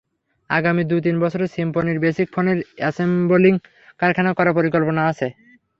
আগামী দু-তিন বছরে সিম্ফনির বেসিক ফোনের অ্যাসেম্বলিং কারখানা করার পরিকল্পনা আছে।